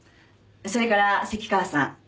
それから関川さん。